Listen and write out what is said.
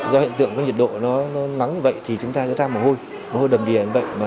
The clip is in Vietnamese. do hiện tượng nhiệt độ nó nắng như vậy thì chúng ta ra mồ hôi mồ hôi đầm đìa như vậy